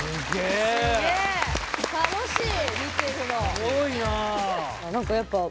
すごいなあ。